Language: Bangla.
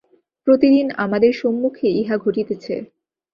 প্রতিদিন আমাদের সম্মুখে ইহা ঘটিতেছে।